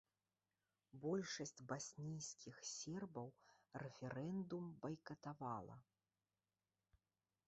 Большасць баснійскіх сербаў рэферэндум байкатавала.